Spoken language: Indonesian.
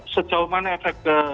sejauh mana efek